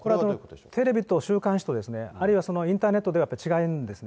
テレビと週刊誌とあるいはインターネットでは違うんですね。